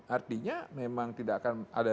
artinya memang tidak akan ada